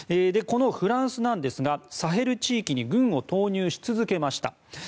このフランスなんですがサヘル地域に軍を投入し続けました。